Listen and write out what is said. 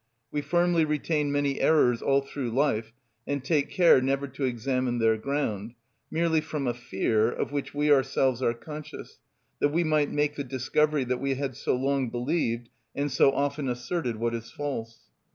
We firmly retain many errors all through life, and take care never to examine their ground, merely from a fear, of which we ourselves are conscious, that we might make the discovery that we had so long believed and so often asserted what is false.